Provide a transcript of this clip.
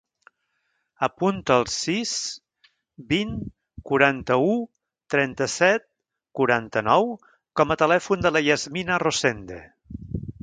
Apunta el sis, vint, quaranta-u, trenta-set, quaranta-nou com a telèfon de la Yasmina Rosende.